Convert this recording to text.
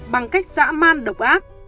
bằng cách dã man độc ác